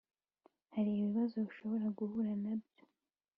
Hari ibibazo ushobora guhura na byo